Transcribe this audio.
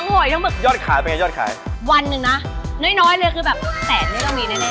กอดยอดขายไงยอดขายวันหนึ่งนะน้อยน้อยเลยคือแบบแสนหนึ่งเราก็มีแน่